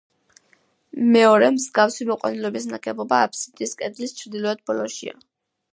მეორე, მსგავსი მოყვანილობის ნაგებობა აფსიდის კედლის ჩრდილოეთ ბოლოშია.